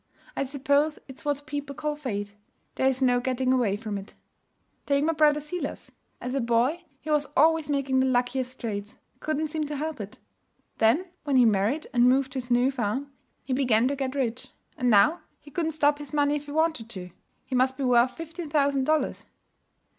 I suppose it's what people call Fate. There's no getting away from it. 'Take my brother Silas. As a boy, he was always making the luckiest trades; couldn't seem to help it. Then when he married and moved to his new farm, he began to get rich; and now he couldn't stop his money if he wanted to. He must be worth fifteen thousand dollars.